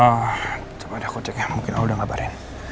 oh coba deh aku cek ya mungkin aul sudah mengabari